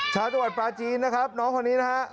ชาตาวัดปลาจีนนะครับน้องคนนี้นะครับ